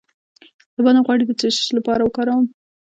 د بادام غوړي د څه لپاره وکاروم؟